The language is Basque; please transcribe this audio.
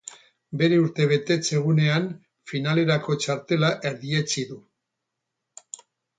Bere urtebetetze egunean finalerako txartela erdietsi du.